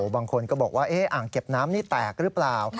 บางคนก็บอกว่าอ่างเก็บน้ำนี่แตกหรือเปล่า